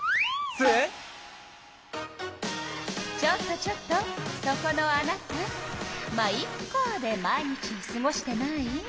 ちょっとちょっとそこのあなた「ま、イッカ」で毎日をすごしてない？